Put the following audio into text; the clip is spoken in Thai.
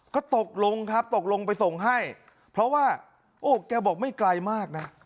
ก็ตกลงครับตกลงไปส่งให้เพราะว่าโอ้แกบอกไม่ไกลมากนะ